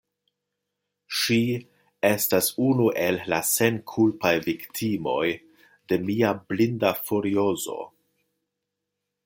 Ŝi estas unu el la senkulpaj viktimoj de mia blinda furiozo.